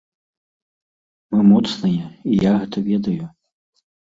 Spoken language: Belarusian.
Мы моцныя, і я гэта ведаю.